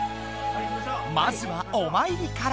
まずはおまいりから！